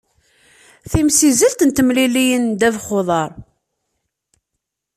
Timsizzelt n temliliyin n ddabex uḍar.